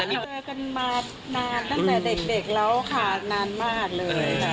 เจอกันมานานตั้งแต่เด็กแล้วค่ะนานมากเลย